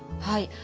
はい。